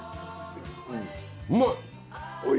うまい。